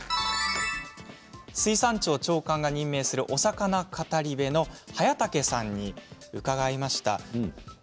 水産庁長官が任命するお魚かたりべの早武さんに伺いました。